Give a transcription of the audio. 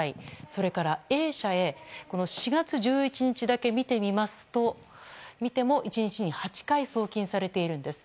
それからＡ社へ４月１１日だけ見ても１日に８回送金されているんです。